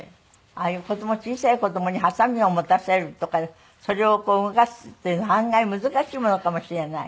ああいう小さい子供にハサミを持たせるとかそれを動かすっていうの案外難しいものかもしれない。